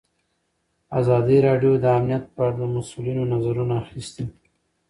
ازادي راډیو د امنیت په اړه د مسؤلینو نظرونه اخیستي.